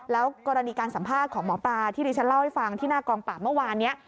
แล้วกรณีการสัมภาษณ์ของหมอปลาที่ดิฉันเล่าให้ฟังที่หน้ากองปราบเมื่อวานนี้